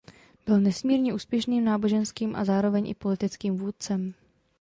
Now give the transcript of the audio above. Byl nesmírně úspěšným náboženským a zároveň i politickým vůdcem.